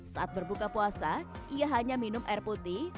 saat berbuka puasa ia hanya minum air putih